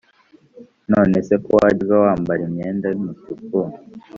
none se ko wajyaga wambara imyenda y’umutuku?